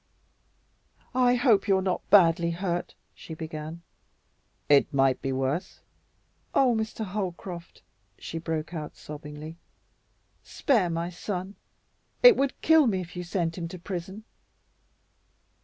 "I hope you're not badly hurt," she began. "It might be worse." "Oh, Mr. Holcroft!" she broke out sobbingly, "spare my son. It would kill me if you sent him to prison."